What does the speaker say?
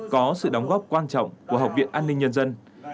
có sự đóng góp quan trọng của học viện an ninh nhân dân